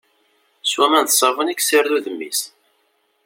S waman d ssabun i yessared udem-is.